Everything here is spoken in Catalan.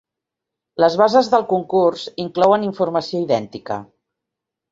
Les bases del concurs inclouen informació idèntica.